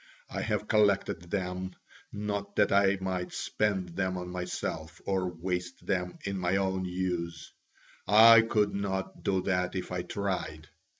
I have collected them, not that I might spend them on myself or waste them in my own use: I could not do that if I tried.